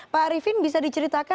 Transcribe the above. pak arifin bisa diceritakan